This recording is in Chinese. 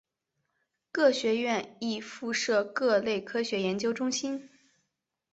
各学院亦附设各类科学研究中心。